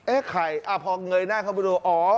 ใครพอเงยหน้าเข้าไปดูอ๋อ